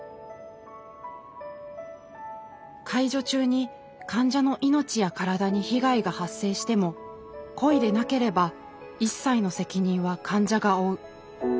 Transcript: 介助中に患者の命や体に被害が発生しても故意でなければ一切の責任は患者が負う。